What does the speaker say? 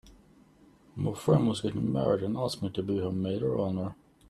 My friend was getting married and asked me to be her maid of honor.